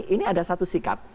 ini ada satu sikap